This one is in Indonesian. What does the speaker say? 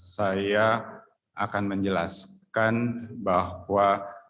saya akan menjelaskan bahwa